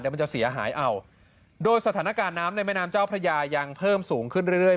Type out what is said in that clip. มันจะเสียหายเอาโดยสถานการณ์น้ำในแม่น้ำเจ้าพระยายังเพิ่มสูงขึ้นเรื่อย